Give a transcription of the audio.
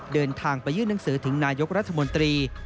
เดินทางไปยื่นหนังสือถึงนายกรัฐมนตรี